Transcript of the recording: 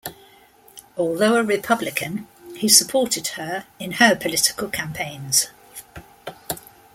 Although a Republican, he supported her in her political campaigns.